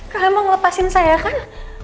kalian mau ngelepasin saya kan